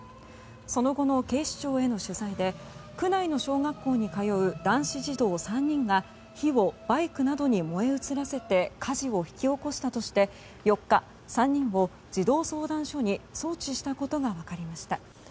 その後の警視庁への取材で区内の小学校に通う男子児童３人が火をバイクなどに燃え移らせて火事を引き起こしたとして４日、３人を児童相談所に送致したことが分かりました。